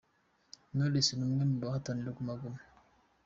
Knowless ni umwe mu bahatanira Guma Guma.